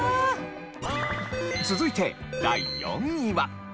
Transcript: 続いて第４位は。